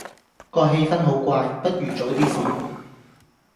個氣氛好怪，不如早啲閃